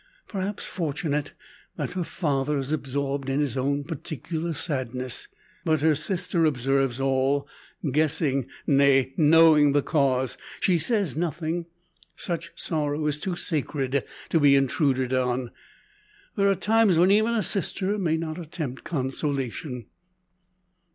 Perhaps fortunate that her father is absorbed in his own particular sadness. But her sister observes all, guessing nay, knowing the cause. She says nothing. Such sorrow is too sacred to be intruded on. There are times, when even a sister may not attempt consolation.